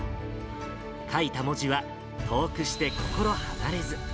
書いた文字は、遠くして心離れず。